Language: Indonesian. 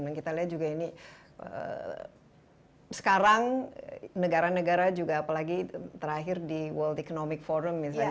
dan kita lihat juga ini sekarang negara negara juga apalagi terakhir di world economic forum misalnya